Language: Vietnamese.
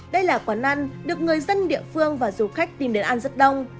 đây là quán ăn được người dân địa phương và du khách tìm đến ăn rất đông